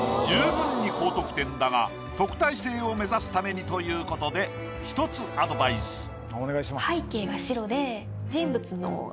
十分に高得点だが特待生を目指すためにということで１つアドバイス。